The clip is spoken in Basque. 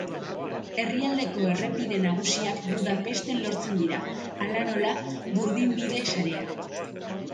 Herrialdeko errepide nagusiak Budapesten lotzen dira, hala nola, burdinbide sarea.